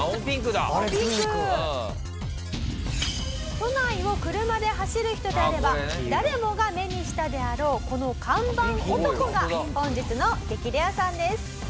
都内を車で走る人であれば誰もが目にしたであろうこの看板男が本日の激レアさんです。